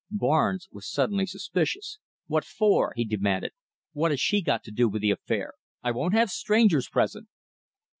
Barnes was suddenly suspicious. "What for?" he demanded. "What has she got to do with the affair? I won't have strangers present."